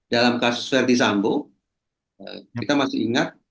dalam kasus ferdisambo kita masih ingat